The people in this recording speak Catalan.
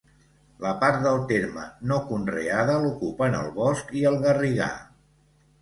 La part del terme no conreada l'ocupen el bosc i el garrigar.